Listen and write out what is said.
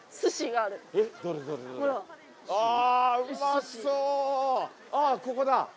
ああここだ。